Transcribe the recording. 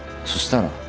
そしたら。